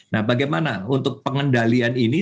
nah bagaimana untuk pengendalian ini